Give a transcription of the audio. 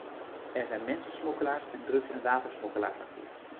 Er zijn mensensmokkelaars en drugs- en wapensmokkelaars actief.